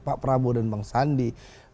pak prabowo dan bang sandi